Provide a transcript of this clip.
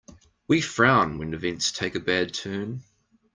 We frown when events take a bad turn.